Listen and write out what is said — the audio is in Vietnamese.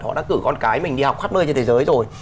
họ đã cử con cái mình đi học khắp nơi trên thế giới rồi